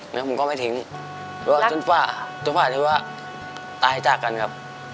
เนี่ยผมก็ไม่ทิ้งจนฝ่าที่ว่าตายจากกันครับ